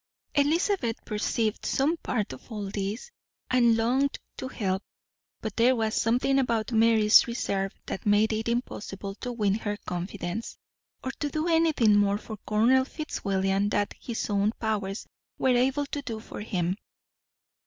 Elizabeth perceived some part of all this, and longed to help; but there was something about Mary's reserve that made it impossible to win her confidence, or to do anything more for Colonel Fitzwilliam than his own powers were able to do for him.